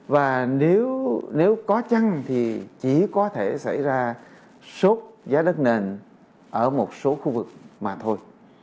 và nếu có chăng thì chỉ có thể xảy ra sốt giá đất nền ở một số khu vực mà thôi